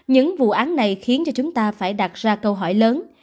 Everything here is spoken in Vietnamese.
những vụ án này khiến cho chúng ta phải đặt ra câu hỏi lớn